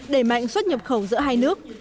đẩy mạnh xuất nhập khẩu giữa hai nước